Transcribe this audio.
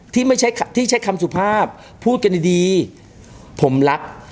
ที่ไม่ใช่ที่ใช้คำสุภาพพูดกันดีผมรัก